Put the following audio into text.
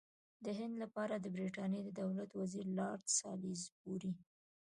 د هند لپاره د برټانیې د دولت وزیر لارډ سالیزبوري.